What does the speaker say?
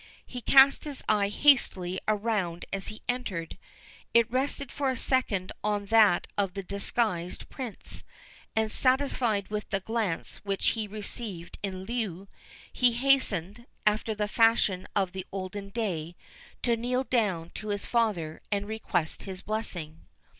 He cast his eye hastily around as he entered. It rested for a second on that of the disguised Prince, and, satisfied with the glance which he received in lieu, he hastened, after the fashion of the olden day, to kneel down to his father, and request his blessing.